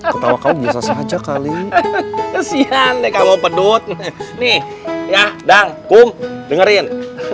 ketawa kau bisa saja kali kesian deh kamu pedut nih ya dan kum dengerin